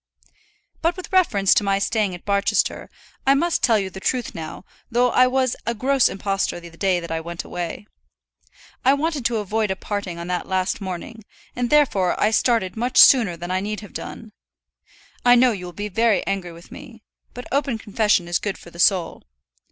But with reference to my staying at Barchester, I must tell you the truth now, though I was a gross impostor the day that I went away. I wanted to avoid a parting on that last morning, and therefore I started much sooner than I need have done. I know you will be very angry with me; but open confession is good for the soul.